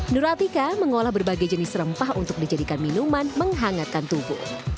nur atika mengolah berbagai jenis rempah untuk dijadikan minuman menghangatkan tubuh